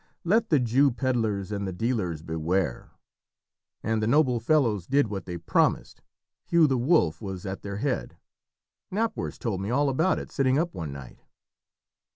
Let the Jew pedlars and the dealers beware!' And the noble fellows did what they promised. Hugh the Wolf was at their head. Knapwurst told me all about it sitting up one night."